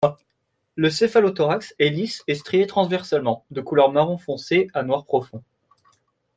Le céphalothorax est lisse et strié transversalement, de couleur marron foncé à noir profond.